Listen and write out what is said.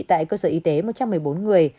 tại cơ sở y tế một trăm một mươi bốn người